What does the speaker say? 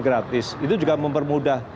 gratis itu juga mempermudah